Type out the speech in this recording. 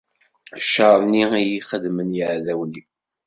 Ccer nni i iyi-xedmen yiɛdawen-iw.